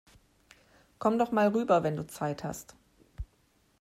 Komm doch mal rüber, wenn du Zeit hast!